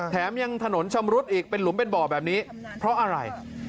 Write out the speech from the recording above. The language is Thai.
แถมยังถนนชำรุดอีกเป็นหลุมเป็นบ่อแบบนี้เพราะอะไร